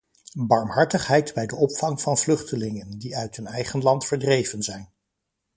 Barmhartigheid bij de opvang van vluchtelingen, die uit hun eigen land verdreven zijn.